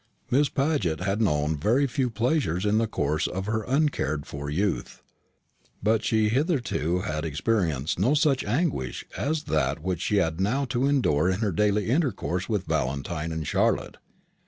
Miss Paget had known very few pleasures in the course of her uncared for youth; but she hitherto had experienced no such anguish as that which she had now to endure in her daily intercourse with Valentine and Charlotte.